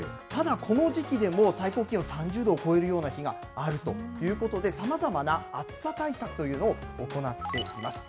ただ、この時期でも最高気温３０度を超えるような日があるということで、さまざまな暑さ対策というのを行っています。